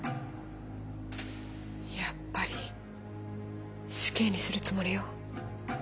やっぱり死刑にするつもりよ。